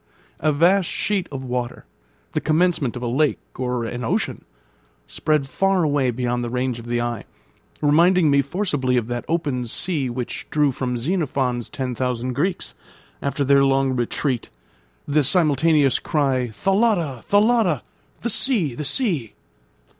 A vast sheet of water, the commencement of a lake or an ocean, spread far away beyond the range of the eye, reminding me forcibly of that open sea which drew from Xenophon's ten thousand Greeks, after their long retreat, the simultaneous cry, "Thalatta! thalatta!" the sea! the sea!